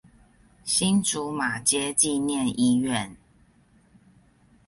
新竹馬偕紀念醫院